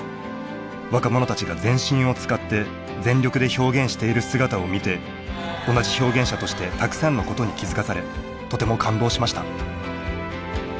若者たちが全身を使って全力で表現している姿を見て同じ表現者としてたくさんのことに気付かされとても感動しました。